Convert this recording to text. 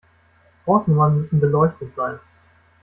Hausnummern müssen beleuchtet sein.